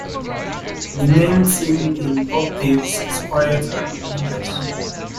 The main theme, in octaves, is quiet and ominous.